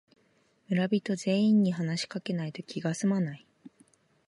村人全員に話しかけないと気がすまない